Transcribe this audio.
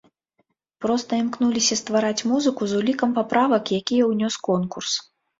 Проста імкнуліся ствараць музыку з улікам паправак, якія ўнёс конкурс.